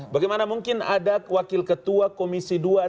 bagaimana mungkin ada wakil ketua komisi dua